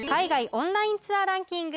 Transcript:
オンラインツアーランキング